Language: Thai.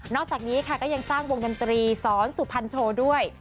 อกจากนี้ค่ะก็ยังสร้างวงดนตรีสอนสุพรรณโชว์ด้วย